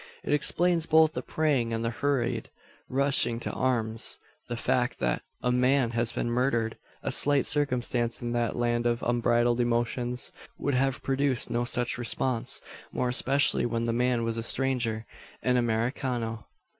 It explains both the praying and the hurried rushing to arms. The fact that a man has been murdered a slight circumstance in that land of unbridled emotions would have produced no such response more especially when the man was a stranger, an "Americano."